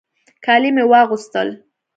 کالي مې واغوستل.